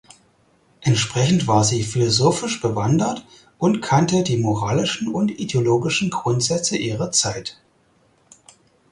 Entsprechend war sie philosophisch bewandert und kannte die moralischen und ideologischen Grundsätze ihrer Zeit.